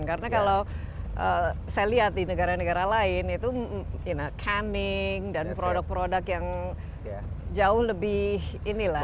karena kalau saya lihat di negara negara lain itu canning dan produk produk yang jauh lebih ini lah